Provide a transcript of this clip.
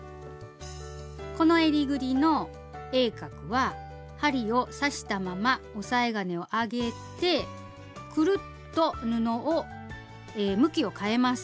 このえりぐりの鋭角は針を刺したまま押さえ金を上げてくるっと布を向きをかえます。